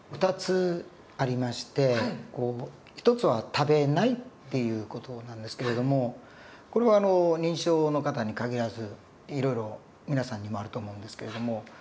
２つありまして一つは食べないっていう事なんですけれどもこれは認知症の方に限らずいろいろ皆さんにもあると思うんですけれども。